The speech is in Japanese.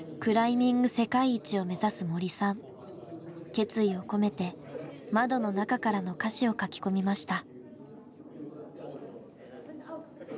決意を込めて「窓の中から」の歌詞を書き込みました。